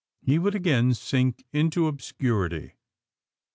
He would again sink into obscurity.